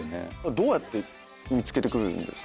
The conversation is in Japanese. どうやって見つけてくるんですか？